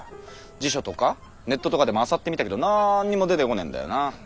辞書とかネットとかでもあさってみたけどなーんにも出てこねーんだよな。